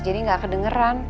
jadi gak kedengeran